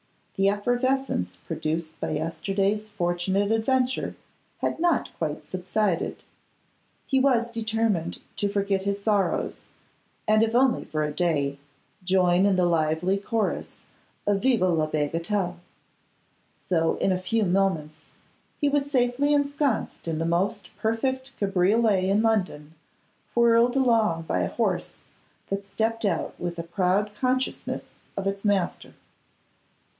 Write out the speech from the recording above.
The effervescence produced by yesterday's fortunate adventure had not quite subsided; he was determined to forget his sorrows, and, if only for a day, join in the lively chorus of Vive la bagatelle! So, in a few moments, he was safely ensconced in the most perfect cabriolet in London, whirled along by a horse that stepped out with a proud consciousness of its master.